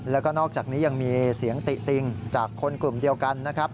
แล้วก็นอกจากนี้ยังมีเสียงติติงจากคนกลุ่มเดียวกันนะครับ